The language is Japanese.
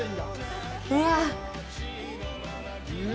うわ！